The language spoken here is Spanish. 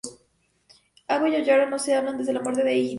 Avo y Allegra no se hablan desde la muerte de Heidi.